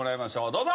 どうぞ。